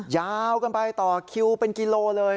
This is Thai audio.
ยาวกันไปต่อคิวเป็นกิโลเลย